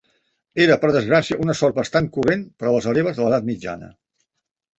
Era per desgràcia una sort bastant corrent per a les hereves de l'Edat mitjana.